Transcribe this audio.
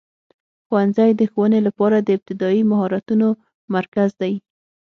ښوونځی د ښوونې لپاره د ابتدایي مهارتونو مرکز دی.